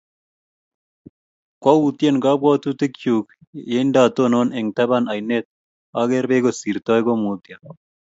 Kwautyen kabwotutik chuk yeindatonon eng' tapan ainet akere peek kosirtoi komutyo.